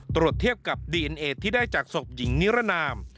ตรวจเทียบกับดีเอ็นเอที่ได้จากศพหญิงนิรนาม